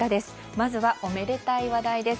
まずはおめでたい話題です。